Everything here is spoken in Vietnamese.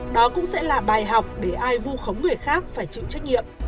đó cũng sẽ là bài học để ai vu khống người khác phải chịu trách nhiệm